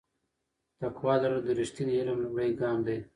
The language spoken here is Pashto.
تقوا لرل د رښتیني علم لومړی ګام دی.